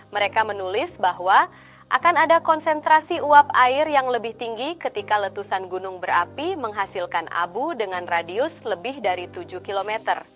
mereka menulis bahwa akan ada konsentrasi uap air yang lebih tinggi ketika letusan gunung berapi menghasilkan abu dengan radius lebih dari tujuh km